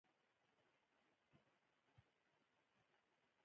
شتمني د مال ډېرښت نه دئ؛ بلکي شتمني د زړه شتمني ده.